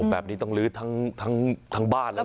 แบบนี้ต้องลื้อทั้งบ้านแล้วนะ